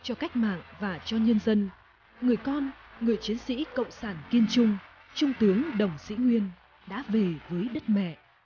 cho cách mạng và cho nhân dân người con người chiến sĩ cộng sản kiên trung trung tướng đồng sĩ nguyên đã về với đất mẹ